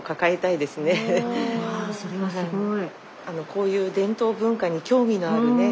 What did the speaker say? わあそれはすごい。